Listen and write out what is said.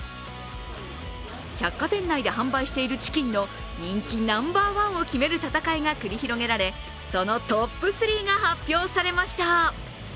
百貨店内で販売しているチキンの人気ナンバーワンを決める戦いが繰り広げられ、そのトップ３が発表されました。